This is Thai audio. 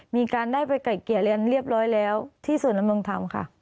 มีการได้ไปไก่เกลี่ยเรียนเรียบร้อยแล้วที่ศูนย์ดำรงธรรมค่ะ